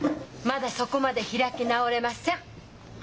まだそこまで開き直れません！